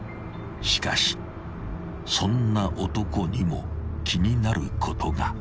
［しかしそんな男にも気になることが］